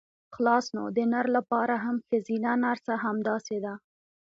خلاص نو د نر لپاره هم ښځينه نرسه همداسې ده.